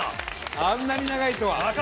あんなに長いとは。